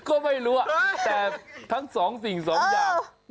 ก็ไม่รู้แต่ทั้งสองสิ่งสองอย่าง